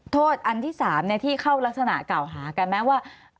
โทษอันที่สามเนี่ยที่เข้ารักษณะเก่าหากันไหมว่า